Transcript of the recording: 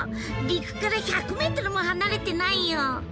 陸から１００ｍも離れてないよ。